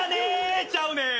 ちゃうねん。